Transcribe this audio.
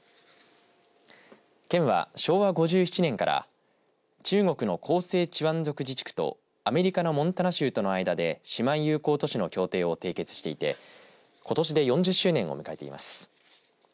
県は昭和５７年から中国の広西チワン族自治区とアメリカのモンタナ州との間で姉妹友好都市の協定を締結していてことしで４０周年を迎えています。